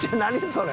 それ。